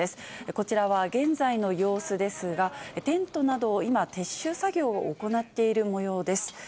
こちらは現在の様子ですが、テントなどを今、撤収作業を行っているもようです。